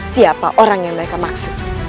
siapa orang yang mereka maksud